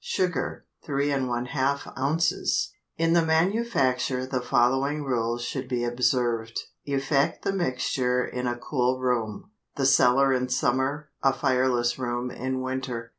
Sugar 3½ oz. In the manufacture the following rules should be observed. Effect the mixture in a cool room, the cellar in summer, a fireless room in winter.